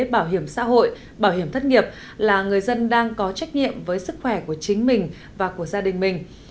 bảo hiểm xã hội bảo hiểm thất nghiệp là người dân đang có trách nhiệm với sức khỏe của chính mình và của gia đình mình